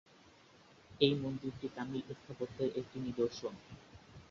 এই মন্দিরটি তামিল স্থাপত্যের একটি নিদর্শন।